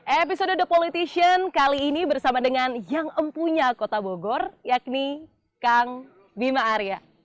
episode the politician kali ini bersama dengan yang empunya kota bogor yakni kang bima arya